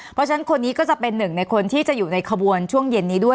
เพราะฉะนั้นคนนี้ก็จะเป็นหนึ่งในคนที่จะอยู่ในขบวนช่วงเย็นนี้ด้วย